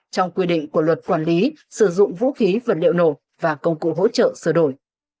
trong quy định của luật quản lý sử dụng vũ khí vật liệu nổ và công cụ hỗ trợ sửa đổi